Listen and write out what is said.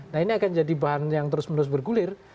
nah ini akan jadi bahan yang terus menerus bergulir